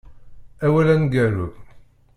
Awal aneggaru.